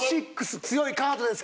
強いカードですけどね。